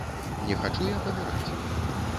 Не хачу я паміраць.